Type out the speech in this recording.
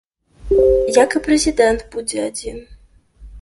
Як і прэзідэнт будзе адзін.